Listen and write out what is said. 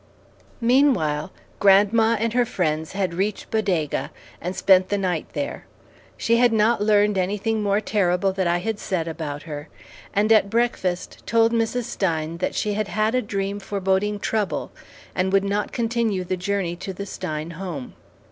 Meanwhile, grandma and her friends had reached Bodego and spent the night there. She had not learned anything more terrible that I had said about her, and at breakfast told Mrs. Stein that she had had a dream foreboding trouble, and would not continue the journey to the Stein home.